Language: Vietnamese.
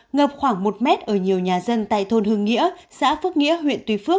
ngập khoảng một m ở nhiều nhà dân tại thôn hương nghĩa xã phước nghĩa huyện tùy phước